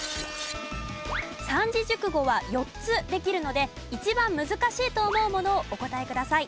三字熟語は４つできるので一番難しいと思うものをお答えください。